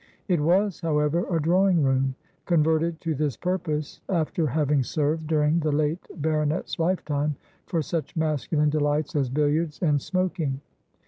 It was, however, a drawing room, converted to this purpose after having served, during the late Baronet's lifetime, for such masculine delights as billiards and smoking.